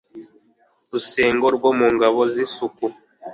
Rusengo rwo mu ngabo z' isuku